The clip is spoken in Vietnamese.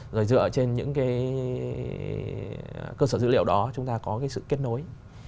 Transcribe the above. rồi dựa trên những cái cơ sở dữ liệu đó chúng ta có cái sự kết nối